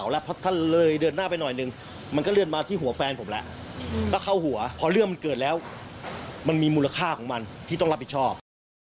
แล้วพอเรื่องมันเกิดแล้วมันมีมูลค่าของมันที่ต้องรับผิดชอบ